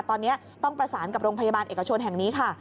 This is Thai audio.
ตอนนี้ต้องประสานกับโรงพยาบาลเอกชนแห่งนี้ค่ะ